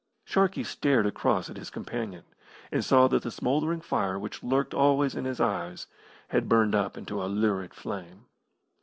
Sharkey stared across at his companion, and saw that the smouldering fire which lurked always in his eyes had burned up into a lurid flame.